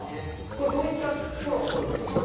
これどういった空を撮ればいいですか？